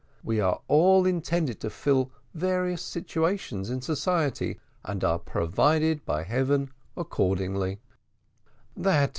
We are all intended to fill various situations in society, and are provided by Heaven accordingly."